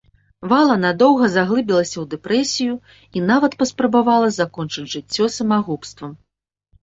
Вала надоўга заглыбілася ў дэпрэсію і нават паспрабавала скончыць жыццё самагубствам.